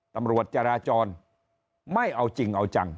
ตำรวจจราจรไม่เอาจริงเอาจัง